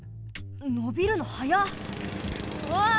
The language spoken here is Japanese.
のびるのはやっ！